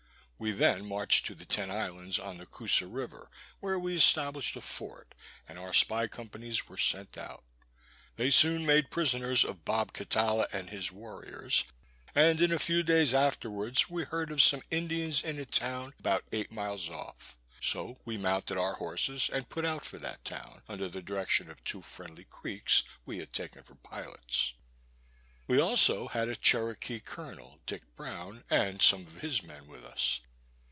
We then marched to the Ten Islands, on the Coosa river, where we established a fort; and our spy companies were sent out. They soon made prisoners of Bob Catala and his warriors, and, in a few days afterwards, we heard of some Indians in a town about eight miles off. So we mounted our horses, and put out for that town, under the direction of two friendly Creeks we had taken for pilots. We had also a Cherokee colonel, Dick Brown, and some of his men with us.